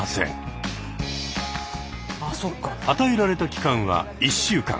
与えられた期間は１週間。